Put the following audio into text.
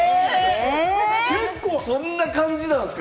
そんな感じなんですか？